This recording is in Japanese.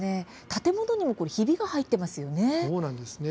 建物にもひびが入っていますよね。